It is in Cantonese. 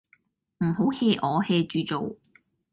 唔好 hea 我 ，hea 住做